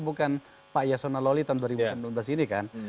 bukan pak yasona loli tahun dua ribu sembilan belas ini kan